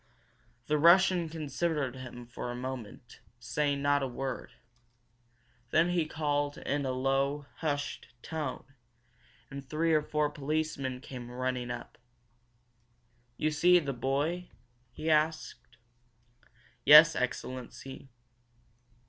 The Russian considered him for a moment, saying not a word. Then he called in a low, hushed tone, and three or four policemen came running up. "You see this boy?" he asked. "Yes, excellency."